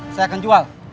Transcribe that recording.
saya akan jual